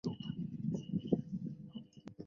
我们何不重夺县城稳守下去？